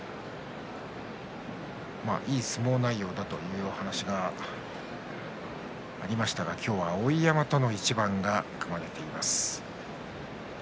いい相撲内容だという話がありましたが今日は碧山との一番が組まれています。